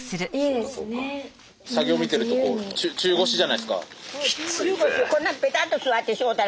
作業見てると中腰じゃないですか。